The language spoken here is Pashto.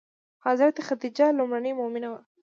حضرت خدیجه لومړنۍ مومنه وه.